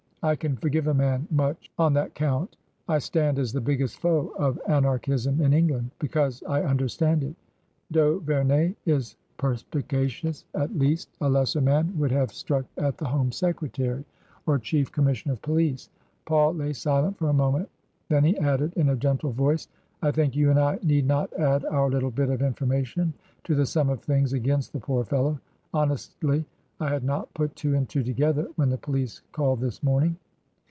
I can forgive a man much on that count. I stand as the biggest foe of Anarchism in England — because I understand it, D'Auverney is perspicacious at least; a lesser man would have struck at the Home Secre V 2^ TRANSITION. tary or Chief Commissioner of Police." Paul lay silent for a moment Then he added, in a gentle voice, I think you and I need not add our little bit of informa tion to the sum of things against the poor fellow. Hon estly, I had not put two and two together when the police called this morning.